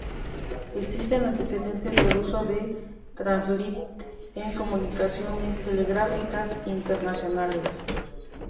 Existen antecedentes del uso de translit en comunicaciones telegráficas internacionales.